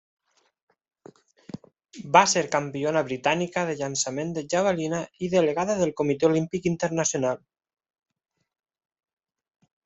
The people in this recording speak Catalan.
Va ser campiona britànica de llançament de javelina i delegada del Comitè Olímpic Internacional.